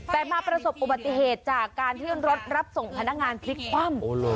แต่มาประสบอุบัติเหตุจากการที่รถรับส่งพนักงานพลิกคว่ำ